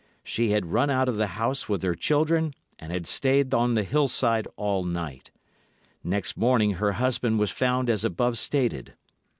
She had run out of the house with her children, and had stayed on the hillside all night. Next morning her husband was found as above stated.